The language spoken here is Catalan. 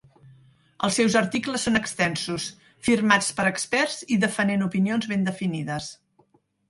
Els seus articles són extensos, firmats per experts i defenent opinions ben definides.